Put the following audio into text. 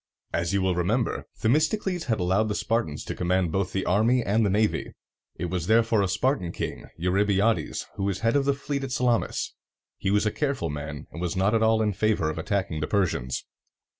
As you will remember, Themistocles had allowed the Spartans to command both the army and the navy. It was therefore a Spartan king, Eu ry bi´a des, who was head of the fleet at Salamis. He was a careful man, and was not at all in favor of attacking the Persians.